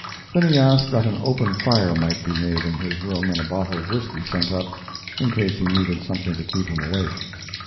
Then he asked that an open fire might be made in his room and a bottle of whisky sent up, in case he needed something to keep him awake.